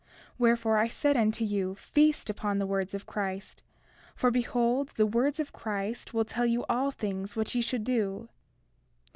Wherefore, I said unto you, feast upon the words of Christ; for behold, the words of Christ will tell you all things what ye should do.